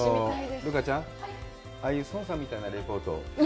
留伽ちゃん、ああいう孫さんみたいなリポートを。